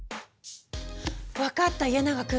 分かった家長君。